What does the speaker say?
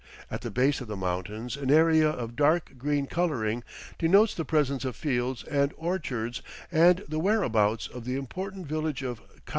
At the base of the mountains an area of dark green coloring denotes the presence of fields and orchards and the whereabouts of the important village of Kakh.